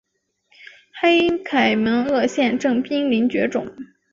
黑凯门鳄现正濒临绝种。